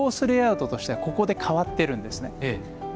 レイアウトとしてはここで変わっているんですね。